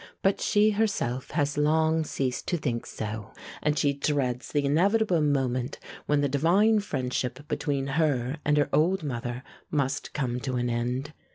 But she herself has long ceased to think so, and she dreads the inevitable moment when the divine friendship between her and her old mother must come to an end.